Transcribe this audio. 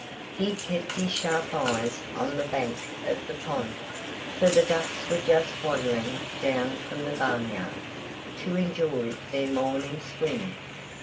He kept his sharp eyes on the bank of the pond, for the ducks were just waddling down from the barnyard, to enjoy their morning swim.